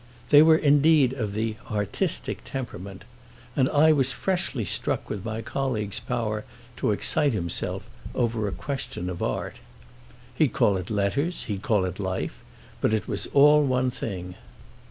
They were indeed of the "artistic temperament," and I was freshly struck with my colleague's power to excite himself over a question of art. He'd call it letters, he'd call it life, but it was all one thing.